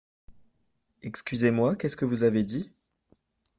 Excusez-moi, qu’est-ce que vous avez dit ?